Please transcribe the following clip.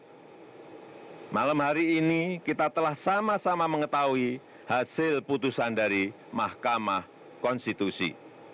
pada malam hari ini kita telah sama sama mengetahui hasil putusan dari mahkamah konstitusi